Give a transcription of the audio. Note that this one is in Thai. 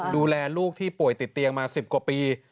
ดูแลลูกที่ป่วยติดเตียงมา๑๐กว่าปี